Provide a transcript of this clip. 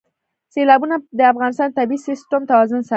سیلابونه د افغانستان د طبعي سیسټم توازن ساتي.